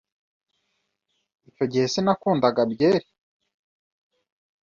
Icyo gihe sinakundaga byeri.